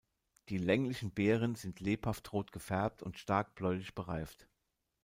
Die länglichen Beeren sind lebhaft rot gefärbt und stark bläulich bereift.